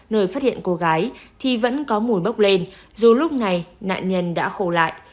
nơi phát hiện cô gái thì vẫn có mùi bốc lên dù lúc này nạn nhân đã khổ lại